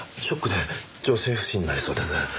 ショックで女性不信になりそうです。